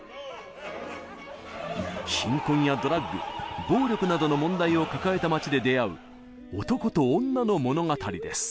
貧困やドラッグ暴力などの問題を抱えた街で出会う男と女の物語です。